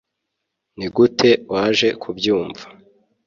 nigute waje kubyumva